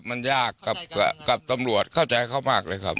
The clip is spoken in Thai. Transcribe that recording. ครับมันยากกับกับกับตำลวดเข้าใจเขามากเลยครับ